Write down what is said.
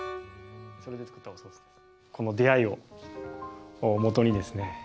この出会いをもとにですね